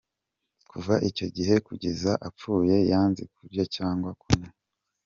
Kuva icyo gihe kugeza apfuye, yanze kurya cyangwa kunywa.